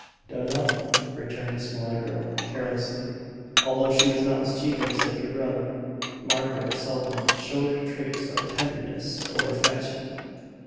"Dunno," returned the smaller girl, carelessly. Although she was not mischievous like her brother, Margaret seldom showed traits of tenderness or affection.